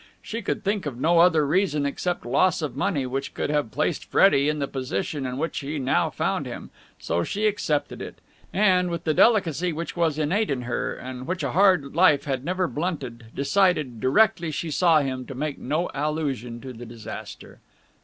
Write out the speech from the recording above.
She could think of no other reason except loss of money which could have placed Freddie in the position in which she now found him, so she accepted it; and, with the delicacy which was innate in her and which a hard life had never blunted, decided, directly she saw him, to make no allusion to the disaster.